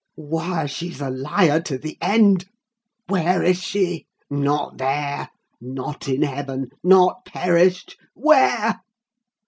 "Why, she's a liar to the end! Where is she? Not there—not in heaven—not perished—where?